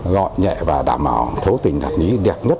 rõ nhẹ và đảm bảo thấu tình đạt lý đẹp nhất